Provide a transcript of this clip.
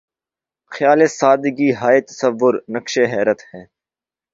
خیال سادگی ہائے تصور‘ نقشِ حیرت ہے